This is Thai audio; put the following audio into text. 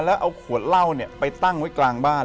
แล้วเอาขวดเหล้าไปตั้งไว้กลางบ้าน